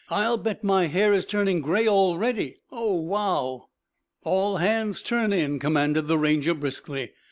I'll bet my hair is turning gray already. Oh, wow!" "All hands, turn in," commanded the Ranger briskly.